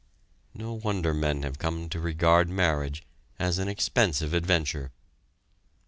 No wonder men have come to regard marriage as an expensive adventure.